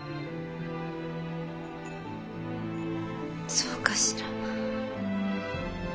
そうかしら。